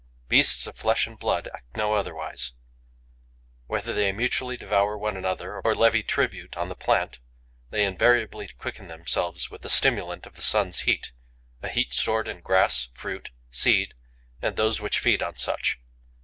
Beasts of flesh and blood act no otherwise. Whether they mutually devour one another or levy tribute on the plant, they invariably quicken themselves with the stimulant of the sun's heat, a heat stored in grass, fruit, seed and those which feed on such.